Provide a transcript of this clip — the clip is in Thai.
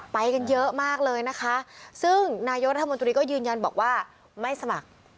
ไปกันเยอะมากเลยนะคะซึ่งนายกรัฐมนตรีก็ยืนยันบอกว่าไม่สมัคร